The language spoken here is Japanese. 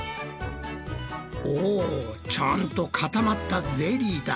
おちゃんと固まったゼリーだ。